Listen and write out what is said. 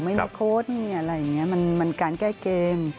ไม่มีโค้ดมันการแก้เกม